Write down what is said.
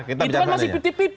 itu kan masih pipi pipi